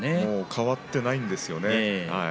変わっていないわけですよね。